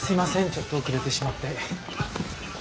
ちょっと遅れてしまって。